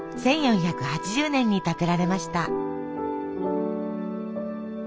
１４８０年に建てられました。